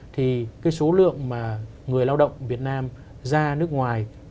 thì cái số lượng mà người lao động việt nam ra nước ngoài